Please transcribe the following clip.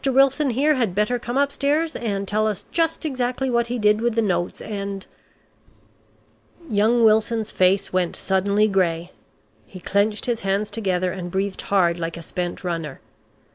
Wilson here had better come upstairs and tell us just exactly what he did with the notes, and " Young Wilson's face went suddenly gray. He clenched his hands together and breathed hard like a spent runner.